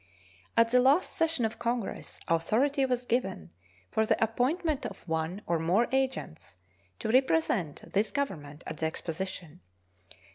At the last session of Congress authority was given for the appointment of one or more agents to represent this Government at the exposition.